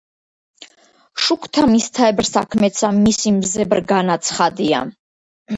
შუქთა მისთაებრ საქმეცა მისი მზებრ განაცხადია.